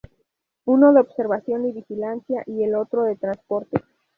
Uno de observación y vigilancia, y el otro de transporte.